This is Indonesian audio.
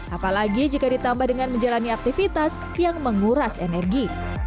apalagi jika ditambah dengan menjalani aktivitas yang menguras energi